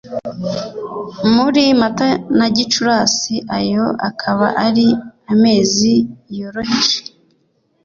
Muri Mata na Gicurasi ayo akaba ari amezi yoroheje